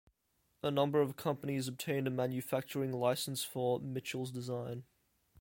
A number of companies obtained a manufacturing licence for Michell's design.